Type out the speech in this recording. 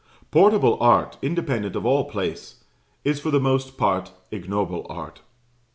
Portable art independent of all place is for the most part ignoble art.